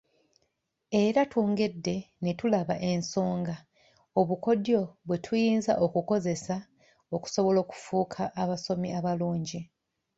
Era twongedde ne tulaba ensonga obukodyo bwe tuyinza okukozesa okusobola okufuuka abasomi abalungi.